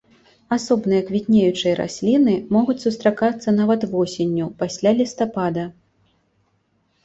Асобныя квітнеючыя расліны могуць сустракацца нават восенню, пасля лістапада.